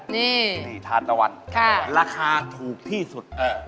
นี่ทานตะวันราคาถูกที่สุด